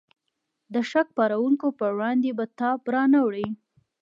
د شک پارونکو په وړاندې به تاب را نه وړي.